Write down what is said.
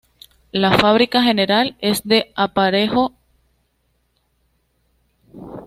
La fábrica general es de "aparejo toledano".